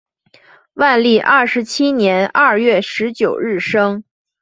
万历二十七年二月十九日生。